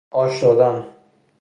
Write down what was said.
آش دادن